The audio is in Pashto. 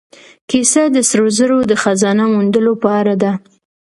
کیسه د سرو زرو د خزانه موندلو په اړه ده.